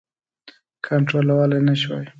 کنټرولولای نه شوای.